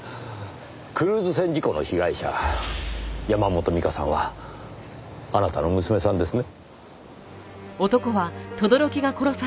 クルーズ船事故の被害者山本美香さんはあなたの娘さんですね。